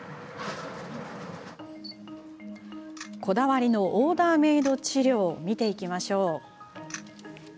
こだわりのオーダーメード治療を見ていきましょう。